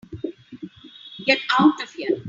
Get out of here.